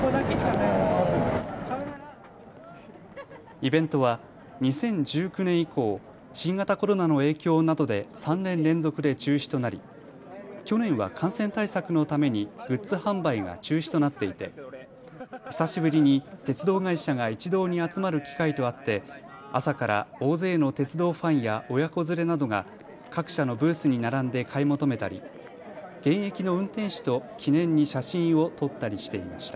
イベントは２０１９年以降、新型コロナの影響などで３年連続で中止となり去年は感染対策のためにグッズ販売が中止となっていて久しぶりに鉄道会社が一堂に集まる機会とあって朝から大勢の鉄道ファンや親子連れなどが各社のブースに並んで買い求めたり現役の運転士と記念に写真を撮ったりしていました。